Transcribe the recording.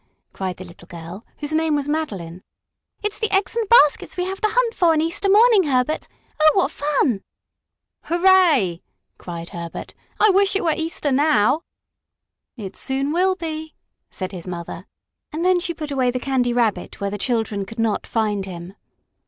cried the little girl, whose name was Madeline. "It's the eggs and baskets we have to hunt for on Easter morning, Herbert! Oh, what fun!" "Hurray!" cried Herbert. "I wish it were Easter now." "It soon will be," said his mother, and then she put away the Candy Rabbit where the children could not find him.